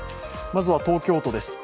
まずは東京都です。